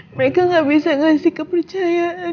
mereka gak bisa ngasih kepercayaan